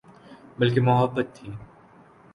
بلکہ محبت تھی